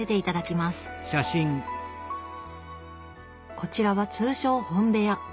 こちらは通称「本部屋」。